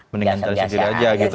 mendingan taruh sendiri aja gitu ya